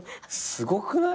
すごくない？